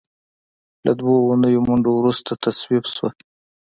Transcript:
له دوو اونیو منډو وروسته تصویب شوه.